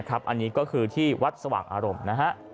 อันนี้ก็คือที่วัดสว่างอารมณ์นะฮะ